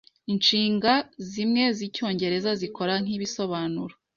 Inshinga zimwe zicyongereza zikora nkibisobanuro.